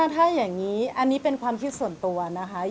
ถ้าอย่างนี้อันนี้เป็นความคิดส่วนตัวนะคะ